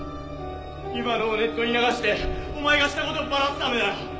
今のをネットに流してお前がした事をバラすためだよ！